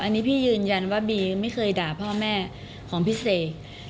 อันนี้พี่ยืนยันว่าบีไม่เคยด่าพ่อแม่ของพี่เสก